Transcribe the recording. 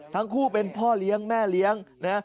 ทั้งคู่เป็นพ่อเลี้ยงแม่เลี้ยงนะ